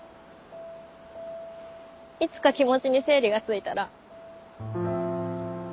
いつか気持ちに整理がついたら。